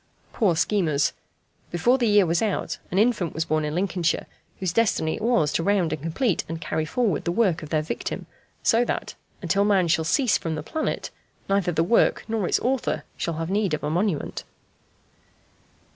Poor schemers! Before the year was out an infant was born in Lincolnshire, whose destiny it was to round and complete and carry forward the work of their victim, so that, until man shall cease from the planet, neither the work nor its author shall have need of a monument.